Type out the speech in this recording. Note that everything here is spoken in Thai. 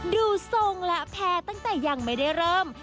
ดูทรงและแพ้ตั้งแต่ยังไม่ได้เริ่ม